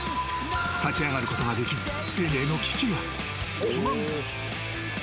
立ち上がることができず生命の危機が。